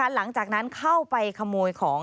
หลังจากนั้นเข้าไปขโมยของ